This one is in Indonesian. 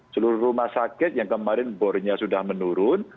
seluruh rumah sakit yang kemarin bornya sudah menurun